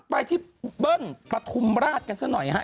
ไปที่เบิ้ลปฐุมราชกันซะหน่อยฮะ